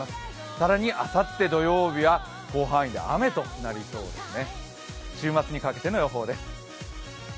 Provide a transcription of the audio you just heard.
更にあさって土曜日は広範囲で雨となりそうですね。